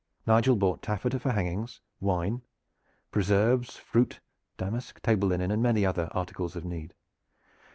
Nigel bought taffeta for hangings, wine, preserves, fruit, damask table linen and many other articles of need.